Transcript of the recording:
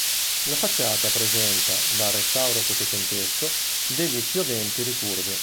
La facciata presenta, dal restauro settecentesco, degli spioventi ricurvi.